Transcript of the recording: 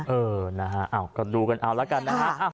เออนะฮะก็ดูกันเอาแล้วกันนะฮะ